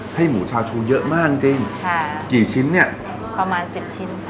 ให้หมูชาชูเยอะมากจริงจริงค่ะกี่ชิ้นเนี่ยประมาณสิบชิ้น